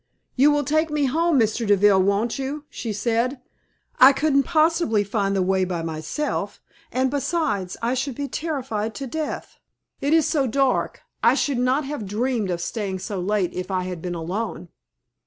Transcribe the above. "You will take me home, Mr. Deville, won't you?" she said. "I couldn't possibly find the way by myself; and, besides, I should be terrified to death. It is so dark. I should not have dreamed of staying so late if I had been alone."